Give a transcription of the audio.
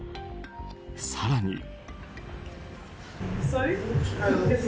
更に。